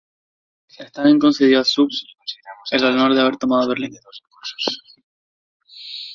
Stalin concedió a Zhúkov el honor de haber tomado Berlín.